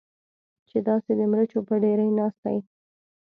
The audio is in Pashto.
چې داسې د مرچو په ډېرۍ ناسته یې.